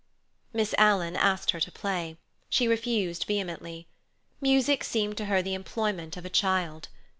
Miss Alan asked her to play. She refused vehemently. Music seemed to her the employment of a child.